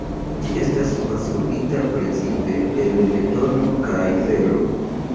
Ĝi estas konstruita precipe el betono kaj fero.